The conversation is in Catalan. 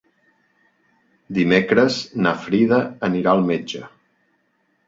Dimecres na Frida anirà al metge.